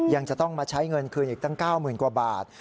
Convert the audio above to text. ยังจะต้องมาใช้เงินคืนอีกตั้ง๙๐๐กว่าบาท